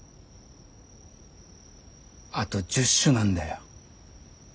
あと１０首なんだよ。